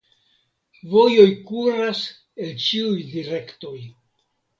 Vojoj kuras el ĉiuj direktoj.